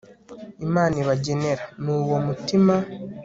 imana ibagenera ni uwo mutima